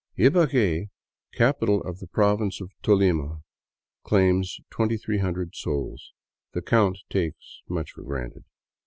Ibague, capital of the province of Tolima, claims 2300 " souls." The count takes much for granted.